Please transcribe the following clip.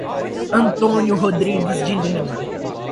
Antônio Rodrigues de Lima